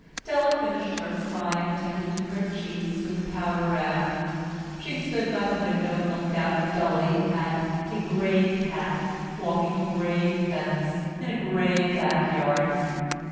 Della finished her cry and attended to her cheeks with the powder rag. She stood by the window and looked out dully at a gray cat walking a gray fence in a gray backyard.